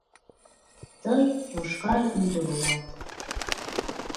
Тый йошкар ӱдыр улат...